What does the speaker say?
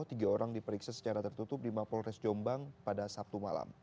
tiga orang diperiksa secara tertutup di mapolres jombang pada sabtu malam